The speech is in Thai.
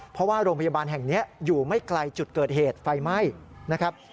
เพราะว่าโรงพยาบาลแห่งนี้อยู่ไม่ไกลจุดเกิดเหตุไฟไหม้นะครับ